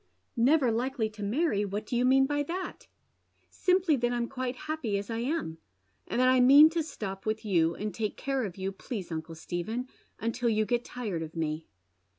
" Never likely to marry ! what do you mean by that ?"" Simply that I'm quite happy as I am, and that I mean to stop with you, and take care of you, please uncle Stephen, until you get tired of me."